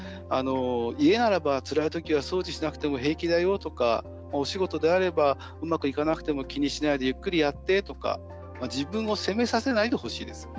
家ならば、つらいときは掃除しなくても平気だよとかお仕事であればうまくいかなくても気にしないでゆっくりやってとか自分を責めさせないでほしいです。